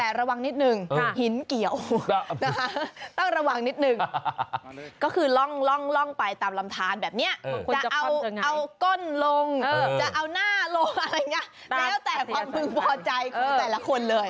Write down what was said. แต่ระวังนิดนึงหินเกี่ยวต้องระวังนิดนึงก็คือล่องไปตามลำทานแบบนี้จะเอาก้นลงจะเอาหน้าลงอะไรอย่างนี้แล้วแต่ความพึงพอใจของแต่ละคนเลย